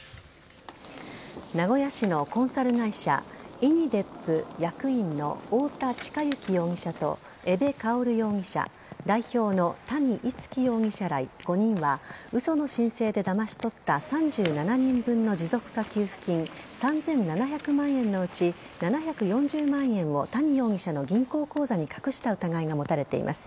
名古屋市のコンサル会社ｉＮｉＤＥＰ役員の太田親幸容疑者と江部薫容疑者代表の谷逸輝容疑者ら５人は嘘の申請でだまし取った３７人分の持続化給付金３７００万円のうち７４０万円を谷容疑者の銀行口座に隠した疑いが持たれています。